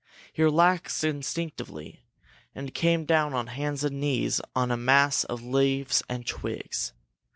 He relaxed instinctively, and came down on hands and knees on a mass of leaves and twigs.